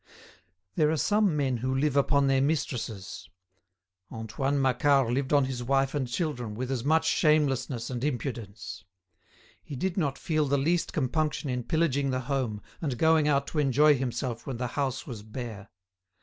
There are some men who live upon their mistresses. Antoine Macquart lived on his wife and children with as much shamelessness and impudence. He did not feel the least compunction in pillaging the home and going out to enjoy himself when the house was bare.